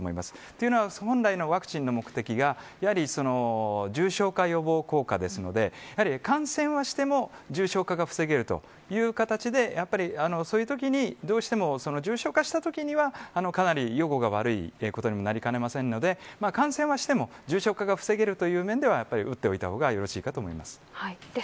というのは本来のワクチンの目的は重症化予防効果ですので感染はしても重症化が防げるという形でそういうときにどうしても重症化したときにはかなり予後が悪いことにもなりかねませんので感染はしても重症化が防げるという面では打っておいた方がよろしいかと思います。